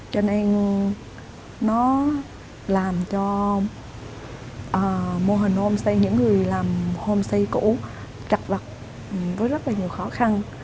cho nên nó làm cho mô hình homestay những người làm homestay cũ chật vật với rất là nhiều khó khăn